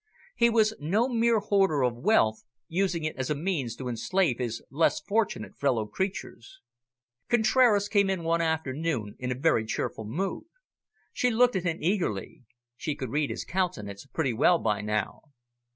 He was no mere hoarder of wealth, using it as a means to enslave his less fortunate fellow creatures. Contraras came in one afternoon in a very cheerful mood. She looked at him eagerly. She could read his countenance pretty well by now.